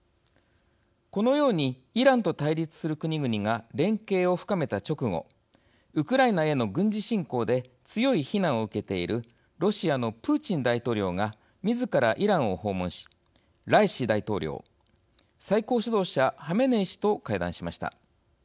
このようにイランと対立する国々が連携を深めた直後ウクライナへの軍事侵攻で強い非難を受けているロシアのプーチン大統領がみずからイランを訪問しライシ大統領最高指導者ハメネイ師と会談しました。